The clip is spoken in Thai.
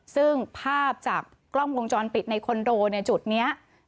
ซึ่งภาพจากกล้องวงจรปิดในคอนโดในจุดนี้